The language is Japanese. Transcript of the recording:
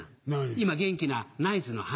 今元気なナイツの塙君。